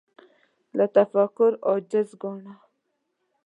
له تفکر عاجز ګاڼه